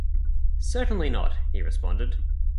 ‘Certainly not,’ he responded.